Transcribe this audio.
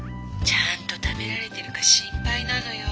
ちゃんと食べられてるか心配なのよ。